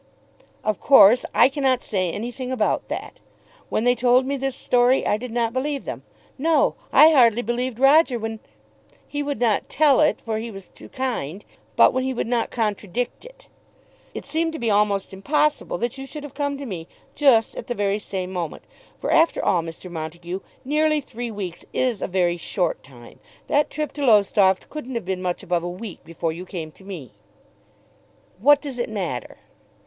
"Of course I cannot say anything about that. When they told me this story I did not believe them. No; I hardly believed Roger when, he would not tell it for he was too kind, but when he would not contradict it. It seemed to be almost impossible that you should have come to me just at the very same moment. For, after all, Mr. Montague, nearly three weeks is a very short time. That trip to Lowestoft couldn't have been much above a week before you came to me." "What does it matter?"